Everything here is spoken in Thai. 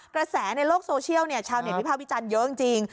กระแสในโลกโซเชียลชาวเน็ตวิภาควิจารณ์เยอะจริง